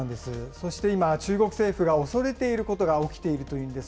そして今、中国政府が恐れていることが起きているというんです。